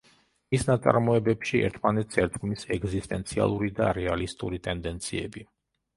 მის ნაწარმოებებში ერთმანეთს ერწყმის ეგზისტენციალისტური და რეალისტური ტენდეციები.